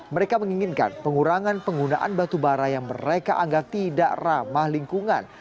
mereka menginginkan pengurangan penggunaan batubara yang mereka anggap tidak ramah lingkungan